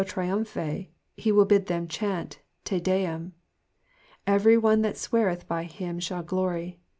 trivmpJiey^'' he will bid them chant, 7V i>et/m.'' ^^ Every one that sweareth by him shall glory.''''